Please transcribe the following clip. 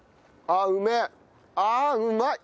ああうまい！